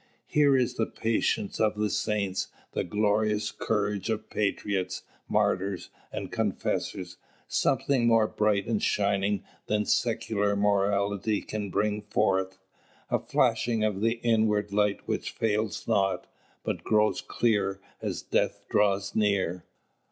Here is the patience of the saints, the glorious courage of patriots, martyrs, and confessors, something more bright and shining than secular morality can bring forth, a flashing of the inward light which fails not, but grows clearer as death draws near.